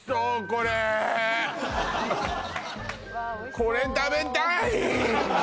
これ食べたい！